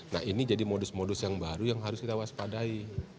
nah ini jadi modus modus yang baru yang harus kita waspadai